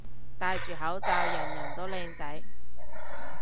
戴住口罩人人都靚仔